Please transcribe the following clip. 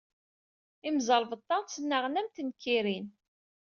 Imẓerbeḍḍa ttnaɣen am tenkirin.